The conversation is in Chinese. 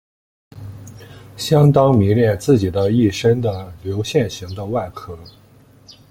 相当迷恋自己的一身的流线型的外壳。